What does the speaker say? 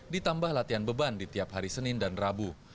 ditambah latihan beban di tiap hari senin dan rabu